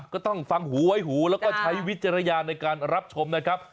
ก็ต้องฟังหูไว้หูแล้วก็ใช้วิจารณญาณในการรับชมนะครับ